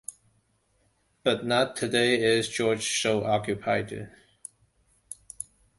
But not today is George so occupied.